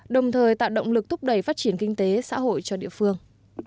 đồng thời tạo động lực thúc đẩy phát triển kinh tế xã hội cho địa phương